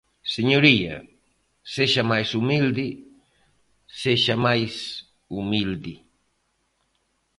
Señoría, sexa máis humilde, sexa máis humilde.